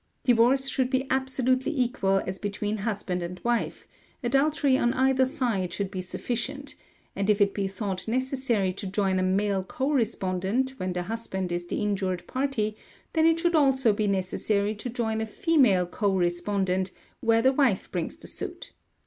Divorce should be absolutely equal as between husband and wife: adultery on either side should be sufficient, and if it be thought necessary to join a male co respondent when the husband is the injured party, then it should also be necessary to join a female co respondent where the wife brings the suit.